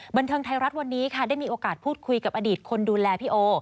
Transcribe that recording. บันเทิงไทยรัฐวันนี้ค่ะได้มีโอกาสพูดคุยกับอดีตคนดูแลพี่โอ